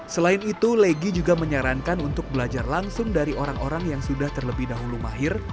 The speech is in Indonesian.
selain itu legi juga menyarankan untuk belajar langsung dari orang orang yang sudah terlebih dahulu mahir